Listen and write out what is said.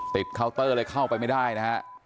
เคาน์เตอร์เลยเข้าไปไม่ได้นะฮะ